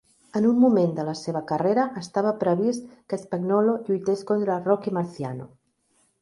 En un moment de la seva carrera estava previst que Spagnolo lluités contra Rocky Marciano.